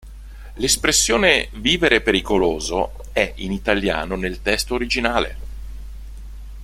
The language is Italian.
L'espressione "vivere pericoloso" è in italiano nel testo originale.